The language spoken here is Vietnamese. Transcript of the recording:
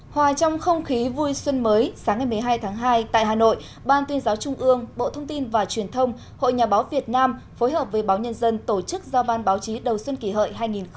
hòa trong không khí vui xuân mới sáng ngày một mươi hai tháng hai tại hà nội ban tuyên giáo trung ương bộ thông tin và truyền thông hội nhà báo việt nam phối hợp với báo nhân dân tổ chức giao ban báo chí đầu xuân kỷ hợi hai nghìn một mươi chín